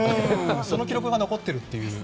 その記録が残っているという。